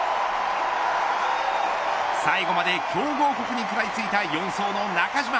最後まで強豪国にくらいついた４走の中島。